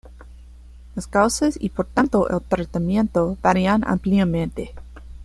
Las causas, y por tanto el tratamiento, varían ampliamente.